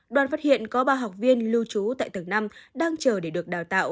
đoàn phát hiện có ba học viên lưu trú tại tầng năm đang chờ để được đào tạo